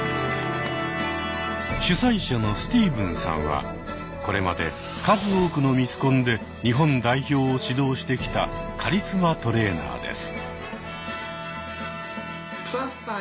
主催者のスティーブンさんはこれまで数多くのミスコンで日本代表を指導してきたカリスマトレーナーです。